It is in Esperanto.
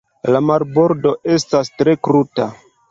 La marbordo estas tre kruta.